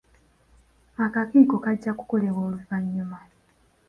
Akakiiko kajja kukolebwa oluvannyuma.